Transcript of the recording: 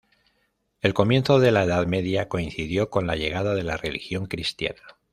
El comienzo de la Edad Media, coincidió con la llegada de la religión cristiana.